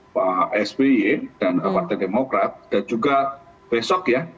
pak sby dan partai demokrat dan juga besok ya